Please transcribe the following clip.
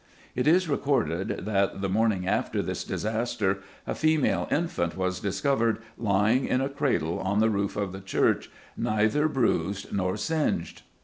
It is recorded that, the morning after this disaster, a female infant was discovered lying in a cradle on the roof of the church neither bruised nor singed."